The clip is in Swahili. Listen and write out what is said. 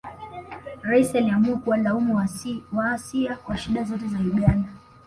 Rais aliamua kuwalaumu Waasia kwa shida zote za Uganda